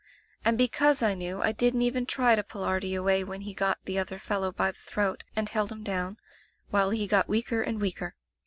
"And because I knew I didn't even try to pull Artie away when he got the other fellow by the throat, and held him down, while he got weaker and weaker.